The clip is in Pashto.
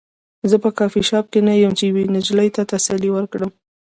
زه په کافي شاپ کې نه یم چې یوې نجلۍ ته تسلي ورکړم